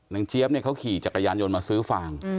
เจี๊ยบเนี่ยเขาขี่จักรยานยนต์มาซื้อฟาง